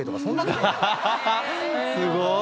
すごーい！